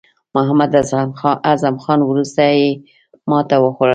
محمد اعظم خان وروستۍ ماته وخوړه.